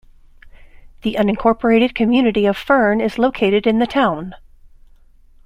The unincorporated community of Fern is located in the town.